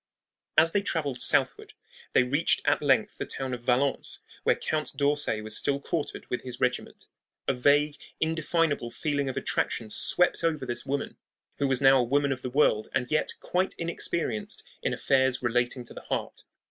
As they traveled southward they reached at length the town of Valence, where Count d'Orsay was still quartered with his regiment. A vague, indefinable feeling of attraction swept over this woman, who was now a woman of the world and yet quite inexperienced in affairs relating to the heart.